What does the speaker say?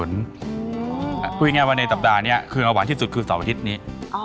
หูยยยคุยง่ายง่ายว่าในสัปดาห์นี้คือระหวังที่สุดคือเสาร์อาทิตย์นี้